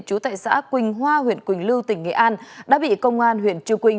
chú tại xã quỳnh hoa huyện quỳnh lưu tỉnh nghệ an đã bị công an huyện chư quynh